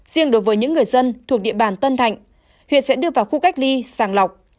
riêng đối với những người dân thuộc địa bàn tân thạnh huyện sẽ đưa vào khu cách ly sàng lọc